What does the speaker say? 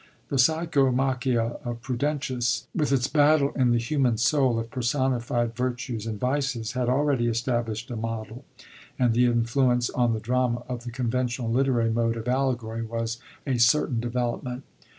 The Paychomachia of Pniden tius, with its battle in the human soul of personified Virtues and Vices, had already establisht a model, and the influence on the drama of the conventional literary mode of allegory was a certain development.